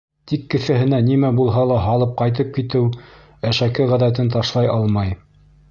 Тик кеҫәһенә нимә булһа ла һалып ҡайтып китеү әшәке ғәҙәтен ташлай алмай.